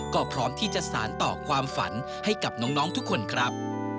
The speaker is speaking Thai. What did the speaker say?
ก็พร้อมที่จะสารต่อความฝันให้กับน้องทุกคนครับ